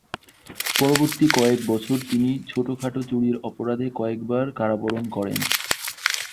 পরবর্তী কয়েক বছর তিনি ছোট-খাটো চুরির অপরাধে কয়েকবার কারাবরণ করেন।